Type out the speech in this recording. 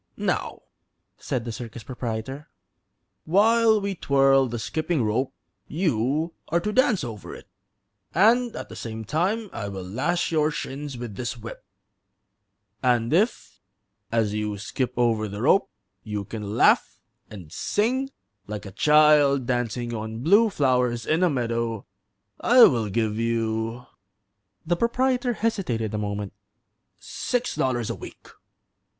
"Now," said the circus proprietor, "while we twirl the skipping rope you are to dance over it, and at the same time I will lash your shins with this whip; and if, as you skip over the rope, you can laugh and sing like a child dancing on blue flowers in a meadow I will give you" the proprietor hesitated a moment "six dollars a week."